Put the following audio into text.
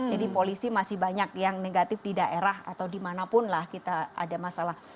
jadi polisi masih banyak yang negatif di daerah atau dimanapun kita ada masalah